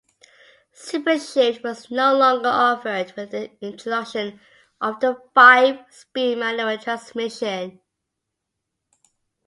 Super Shift was no longer offered with the introduction of the five-speed manual transmission.